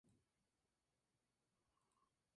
Estudió los efectos de la marea en los planetas.